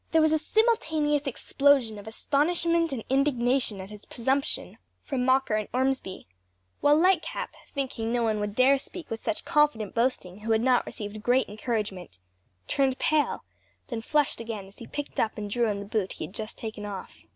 There was a simultaneous explosion of astonishment and indignation at his presumption, from Mocker and Ormsby, while Lightcap, thinking no one would dare speak with such confident boasting who had not received great encouragement, turned pale, then flushed again as he picked up and drew on the boot he had just taken off.